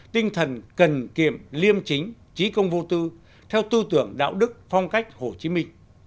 tinh thần cần kiệm liêm chính trí công vô tư theo tư tưởng đạo đức phong cách hồ chí minh